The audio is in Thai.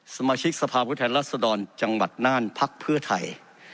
สมาชิกสภาพุทธแหละสดรจังหวัดนานภักดิ์เพื่อไทย